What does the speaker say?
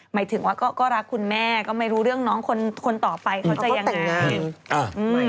หมายถึงว่าก็รักคุณแม่ก็ไม่รู้เรื่องน้องคนต่อไปเขาจะยังไง